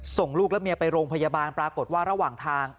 ส่งลูกและเมียไปโรงพยาบาลปรากฏว่าระหว่างทาง